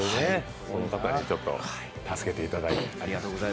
この方に助けていただいて。